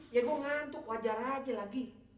ya gue ngantuk wajar aja lagi